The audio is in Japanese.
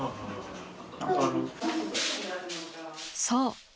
［そう。